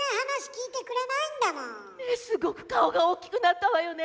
ねえすごく顔が大きくなったわよね。